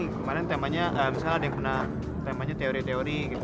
kemarin temanya misalnya ada yang kena temanya teori teori gitu